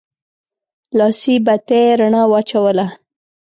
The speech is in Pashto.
لاسي بتۍ رڼا واچوله.